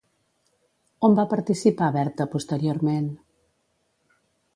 On va participar Berta posteriorment?